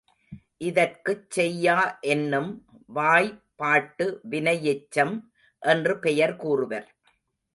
இதற்குச் செய்யா என்னும் வாய்பாட்டு வினையெச்சம் என்று பெயர் கூறுவர்.